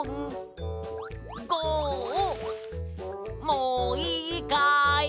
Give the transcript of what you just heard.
もういいかい？